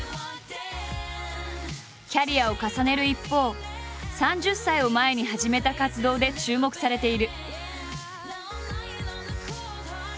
キャリアを重ねる一方３０歳を前に始めた活動で注目されている。